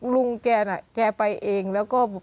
ลุงแกน่ะแกไปเองแล้วก็